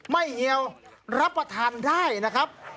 เอียวรับประทานได้นะครับ